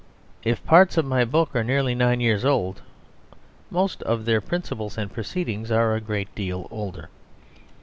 If parts of my book are nearly nine years old, most of their principles and proceedings are a great deal older.